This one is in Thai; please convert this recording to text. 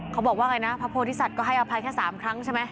เขาบอกว่าไงน่ะภพโพธิสัจก็ให้อภัยแค่สามครั้งใช่ไหม